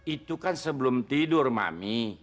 itu kan sebelum tidur mami